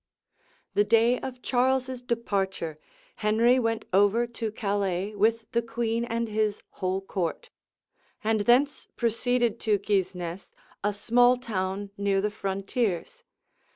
The day of Charles's departure, Henry went over to Calais with the queen and his whole court; and thence proceeded to Guisnes, a small town near the frontiers.